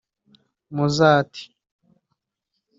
"Mozart